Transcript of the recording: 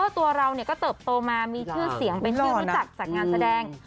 ตัวเราก็เติบโตมามีชื่อเสียงเป็นที่รู้จักจากงานแสดง